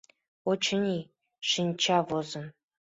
Очыни, шинча возын.